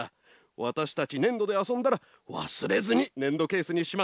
わたしたちねんどであそんだらわすれずにねんどケースにしまっておくれよ。